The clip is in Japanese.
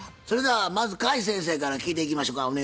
それではまず甲斐先生から聞いていきましょか。